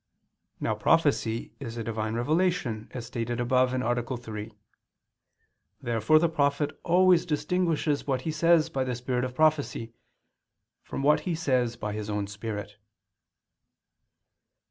Now prophecy is a Divine revelation, as stated above (A. 3). Therefore the prophet always distinguishes what he says by the spirit of prophecy, from what he says by his own spirit.